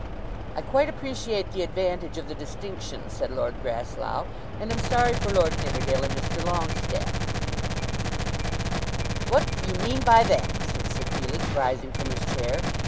"I quite appreciate the advantage of the distinction," said Lord Grasslough, "and am sorry for Lord Nidderdale and Mr. Longestaffe." "What do you mean by that?" said Sir Felix, rising from his chair.